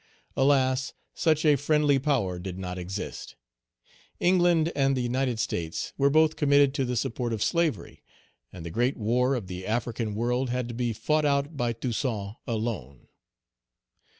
Alas! such a friendly power did not exist. England and the United States were both committed to the support of slavery; and the great war of the African world had to be fought out by Toussaint alone.